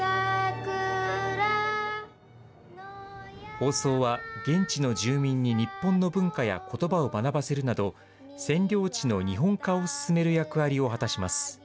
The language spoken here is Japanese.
放送は現地の住民に日本の文化やことばを学ばせるなど、占領地の日本化を進める役割を果たします。